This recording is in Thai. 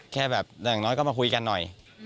แค่แบบอย่างน้อยก็มาคุยกันหน่อย